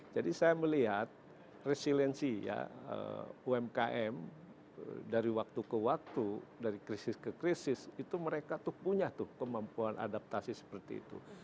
jadi saya melihat resiliensi umkm dari waktu ke waktu dari krisis ke krisis itu mereka itu punya tuh kemampuan adaptasi seperti itu